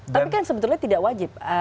tapi kan sebetulnya tidak wajib